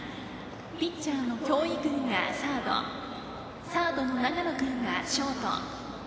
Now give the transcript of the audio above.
ピッチャーの京井君がサードサードの永野君がショート。